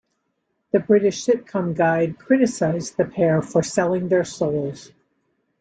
'" The British Sitcom Guide criticised the pair for "selling their souls".